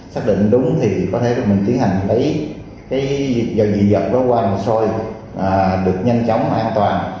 xác định đúng thì có thể mình tiến hành lấy dị vật đó qua bảo sơ được nhanh chóng an toàn